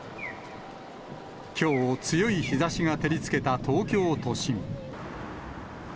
きょう、強い日ざしが照りつけた東京都心。